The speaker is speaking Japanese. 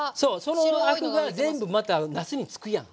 そのアクが全部またなすにつくやん。